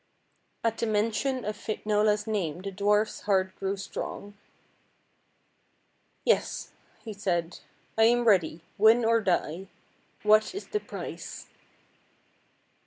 At the mention of Finola's name the dwarf's heart grew strong. " Yes," he said ;" I am ready win or die. What is the price?